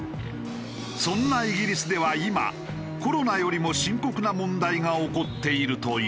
そんなイギリスでは今コロナよりも深刻な問題が起こっているという。